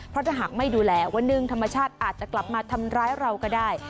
เพราะถ้าหากไม่ดูแลวันหนึ่งธรรมชาติอาจจะกลับมาทำร้ายเราก็ได้